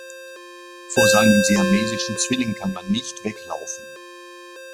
Vor seinem siamesischen Zwilling kann man nicht weglaufen.